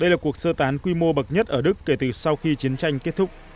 đây là cuộc sơ tán quy mô bậc nhất ở đức kể từ sau khi chiến tranh kết thúc